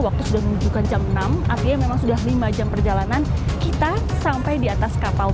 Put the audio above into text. waktu sudah menunjukkan jam enam artinya memang sudah lima jam perjalanan kita sampai di atas kapal